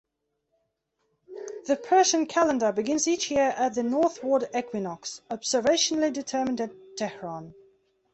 The Persian calendar begins each year at the northward equinox, observationally determined at Tehran.